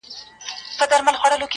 تبر ځکه زما سینې ته را رسیږي،